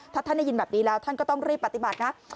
ถ้าท่านได้ยินแบบนี้แล้วท่านก็ต้องรีบปฏิบัตินะ